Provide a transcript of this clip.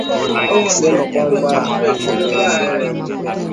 wakisema kwamba anayosema yanavunja kabisa sheria